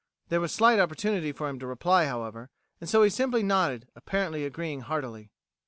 There was slight opportunity for him to reply, however, and so he simply nodded, apparently agreeing heartily.